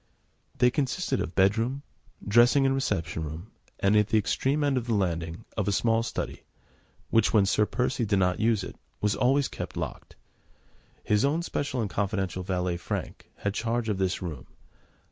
They consisted of bedroom, dressing and reception room, and, at the extreme end of the landing, of a small study, which, when Sir Percy did not use it, was always kept locked. His own special and confidential valet, Frank, had charge of this room.